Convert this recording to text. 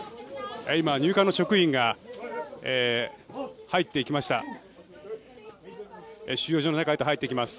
今、入管の職員が入っていきました。